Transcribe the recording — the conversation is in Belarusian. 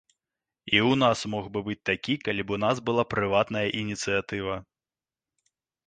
І ў нас мог бы быць такі, калі б у нас была прыватная ініцыятыва.